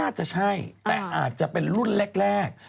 น่าจะใช่แต่อาจจะเป็นรุ่นแรก